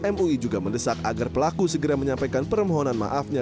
mui juga mendesak agar pelaku segera menyampaikan permohonan maafnya